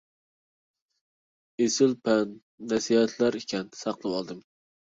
ئېسىل پەند-نەسىھەتلەر ئىكەن، ساقلىۋالدىم.